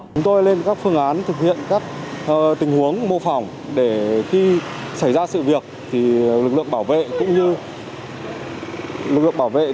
chúng tôi lên các phương án thực hiện các tình huống mô phỏng để khi xảy ra sự việc thì lực lượng bảo vệ